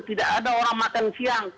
tidak ada orang makan siang